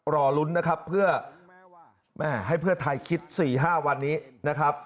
รอลุ้นนะครับเพื่อแม่ให้เพื่อไทยคิด๔๕วันนี้นะครับ